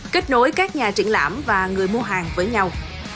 kết nối các nhà triển lãm và người mua hàng với nhau